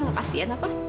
nggak kasian apa